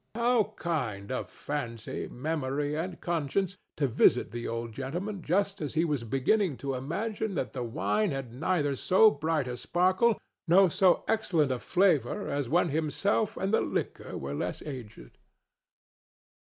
How kind of Fancy, Memory and Conscience to visit the old gentleman just as he was beginning to imagine that the wine had neither so bright a sparkle nor so excellent a flavor as when himself and the liquor were less aged!